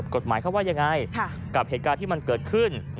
กฎหมายเขาว่ายังไงกับเหตุการณ์ที่มันเกิดขึ้น